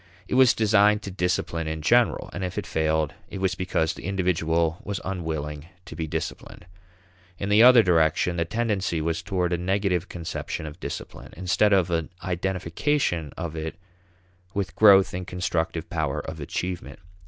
It was designed to discipline in general, and if it failed, it was because the individual was unwilling to be disciplined. In the other direction, the tendency was towards a negative conception of discipline, instead of an identification of it with growth in constructive power of achievement.